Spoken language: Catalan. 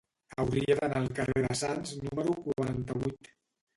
Hauria d'anar al carrer de Sants número quaranta-vuit.